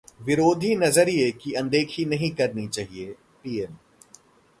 विरोधी नजरिये की अनदेखी नहीं करनी चाहिए: पीएम